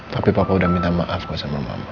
tapi papa udah minta maaf kok sama mama